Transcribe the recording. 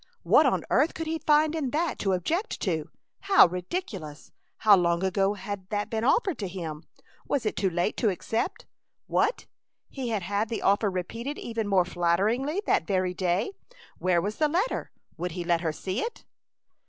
What on earth could he find in that to object to? How ridiculous! How long ago had that been offered to him? Was it too late to accept? What? He had had the offer repeated even more flatteringly that very day? Where was the letter? Would he let her see it?